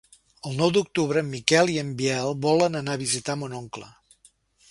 El nou d'octubre en Miquel i en Biel volen anar a visitar mon oncle.